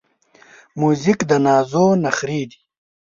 موزیک د نازو نخری دی.